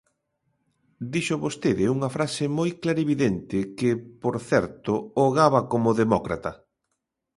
Dixo vostede unha frase moi clarividente, que, por certo, o gaba como demócrata.